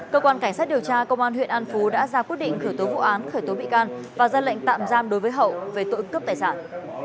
cơ quan cảnh sát điều tra công an huyện an phú đã ra quyết định khởi tố vụ án khởi tố bị can và ra lệnh tạm giam đối với hậu về tội cướp tài sản